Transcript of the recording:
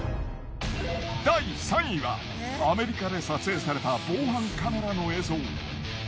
第３位はアメリカで撮影された防犯カメラの映像。